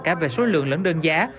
cả về số lượng lẫn đơn giá